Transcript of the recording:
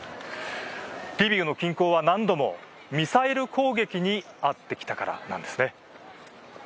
リビウの近郊は何度もミサイル攻撃に遭ってきたからなんですね。